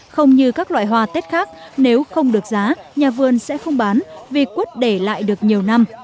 không như các loại hoa tết khác nếu không được giá nhà vườn sẽ không bán vì quất để lại được nhiều năm